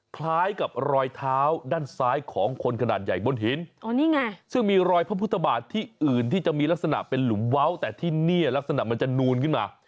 คล้ายกับรอยเท้าด้านซ้ายของคนขนาดใหญ่บนหินซึ่งมีรอยพระพุทธบาทที่อื่นที่จะมีลักษณะเป็นหลุมเว้าแต่ที่นี่ลักษณะมันจะนูนขึ้นมา